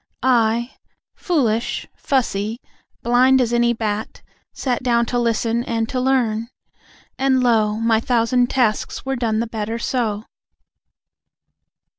I, foolish, fussy, blind as any bat, Sat down to listen, and to learn. And lo, My thousand tasks were done the better so.